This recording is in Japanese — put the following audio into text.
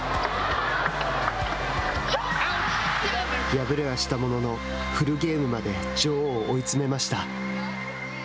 敗れはしたもののフルゲームまで女王を追い詰めました。